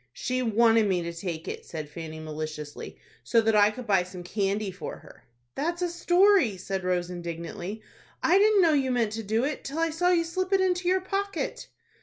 "She wanted me to take it," said Fanny, maliciously, "so that I could buy some candy for her." "That's a story," said Rose, indignantly; "I didn't know you meant to do it, till I saw you slip it into your pocket."